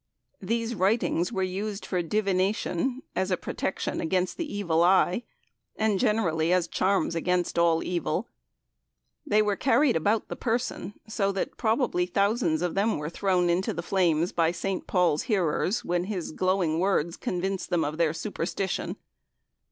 These "writings" were used for divination, as a protection against the "evil eye," and generally as charms against all evil. They were carried about the person, so that probably thousands of them were thrown into the flames by St. Paul's hearers when his glowing words convinced them of their superstition.